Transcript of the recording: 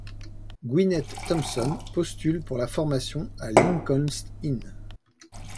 Gwyneth Thompson postule pour la formation à Lincoln's Inn.